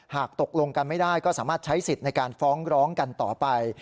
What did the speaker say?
หากตกลงกันไม่ได้ก็สามารถใช้สิทธิ์ในการฟ้องร้องกันต่อไป